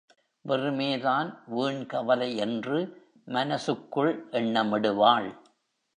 வெறுமேதான் வீண் கவலை என்று மனசுக்குள் எண்ணமிடுவாள்.